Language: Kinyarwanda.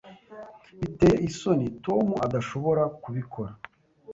Biteye isoni Tom adashobora kubikora.